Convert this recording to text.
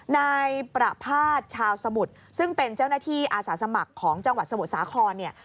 นายประภาษณ์ชาวสมุทรซึ่งเป็นเจ้าหน้าที่อาสาสมัครของจังหวัดสมุทรสาครเนี่ย